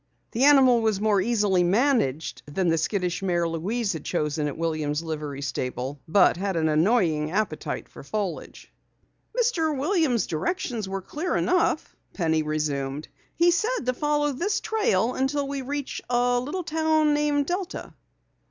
The animal was more easily managed than the skittish mare Louise had chosen at Williams' Livery Stable, but had an annoying appetite for foliage. "Mr. Williams' directions were clear enough," Penny resumed. "He said to follow this trail until we reach a little town named Delta."